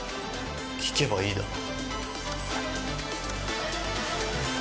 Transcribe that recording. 聞けばいいだろ。